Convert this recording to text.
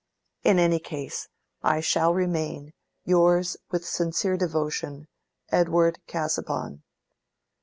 In any case, I shall remain, Yours with sincere devotion, EDWARD CASAUBON.